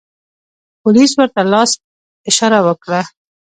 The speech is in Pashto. پولیس ورته لاس اشاره و کړه.